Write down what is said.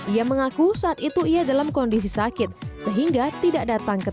ia mengaku saat itu ia dalam kondisi sakit sehingga tidak datang ke